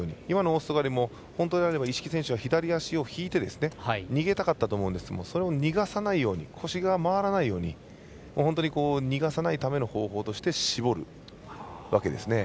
大外刈りも一色選手は左足を引いて逃げたかったと思うんですけどそれを逃がさないように腰が回らないように本当に逃がさないための方法として絞るわけですね。